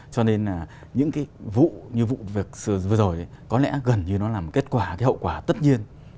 cho nên những vụ như vụ vừa rồi có lẽ gần như nó làm kết quả hậu quả tất nhiên